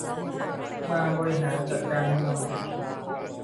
มาบริหารจัดการเมือง